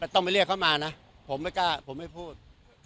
ต้องไปเรียกเขามานะผมไม่กล้าผมไม่พูด